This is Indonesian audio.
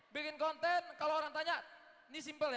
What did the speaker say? bikin konten kalau orang tanya ini simpel ya